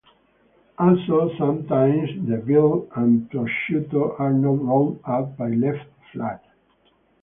Also, sometimes the veal and prosciutto are not rolled-up but left flat.